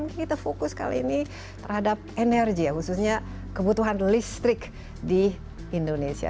kita fokus kali ini terhadap energi ya khususnya kebutuhan listrik di indonesia